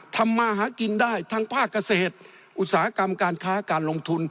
ทำมาหากินได้ทั้งภาคเกษตรอุตสาหกรรมการค้าการลงทุน